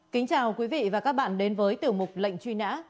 kính chào quý vị và các bạn đến với tiểu mục lệnh truy nã